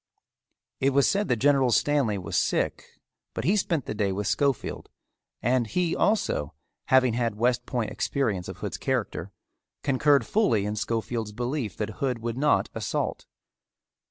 It was said that General Stanley was sick but he spent the day with Schofield and he also, having had West Point experience of Hood's character, concurred fully in Schofield's belief that Hood would not assault.